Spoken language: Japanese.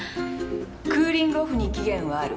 クーリングオフに期限はある。